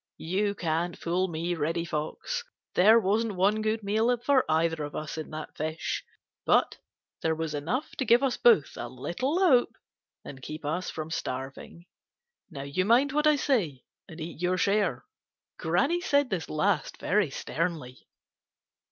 You can't fool me, Reddy Fox. There wasn't one good meal for either of us in that fish, but there was enough to give us both a little hope and keep us from starving. Now you mind what I say and eat your share." Granny said this last very sternly.